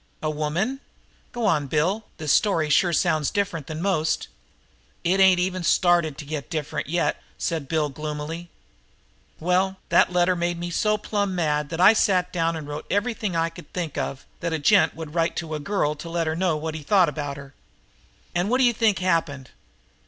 "A woman? Go on, Bill. This story sure sounds different from most." "It ain't even started to get different yet," said Bill gloomily. "Well, that letter made me so plumb mad that I sat down and wrote everything I could think of that a gent would say to a girl to let her know what I thought about her. And what d'you think happened?"